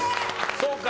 そうか。